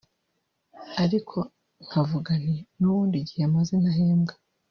ariko nkavuga nti nubundi igihe maze ntahembwa